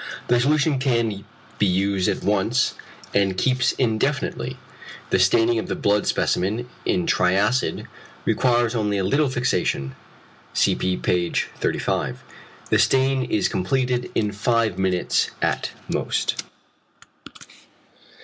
The solution can be used at once, and keeps indefinitely. The staining of the blood specimen in triacid requires only a little fixation, cp. page 35. The stain is completed in five minutes at most.